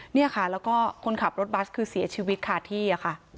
แล้วก็คนขับรถบัสคือเสียชีวิตขาดที่